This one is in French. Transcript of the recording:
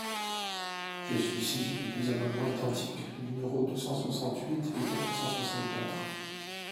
Je suis saisi de deux amendements identiques, numéros deux cent soixante-huit et quatre cent soixante-quatre.